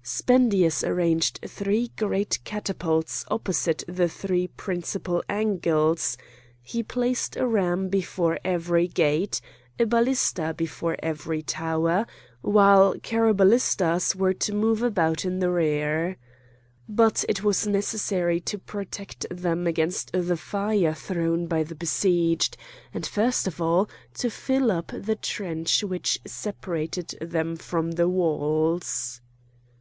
Spendius arranged three great catapults opposite the three principle angles; he placed a ram before every gate, a ballista before every tower, while carroballistas were to move about in the rear. But it was necessary to protect them against the fire thrown by the besieged, and first of all to fill up the trench which separated them from the walls.